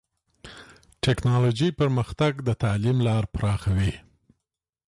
ټکنالوژي پرمختګ د تعلیم لار پراخوي.